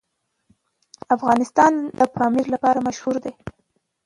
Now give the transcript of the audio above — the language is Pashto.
افغانستان د پامیر لپاره مشهور دی.